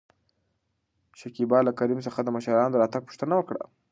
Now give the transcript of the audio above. شکيبا له کريم څخه د مشرانو د راتګ پوښتنه وکړه.